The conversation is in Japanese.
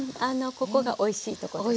ここがおいしいとこですね。